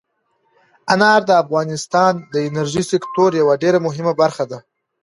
انار د افغانستان د انرژۍ سکتور یوه ډېره مهمه برخه ده.